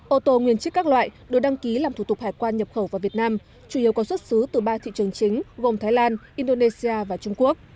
ô tô nguyên chức các loại được đăng ký làm thủ tục hải quan nhập khẩu vào việt nam chủ yếu có xuất xứ từ ba thị trường chính gồm thái lan indonesia và trung quốc